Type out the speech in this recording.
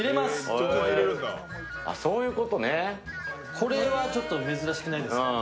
これはちょっと珍しくないですか？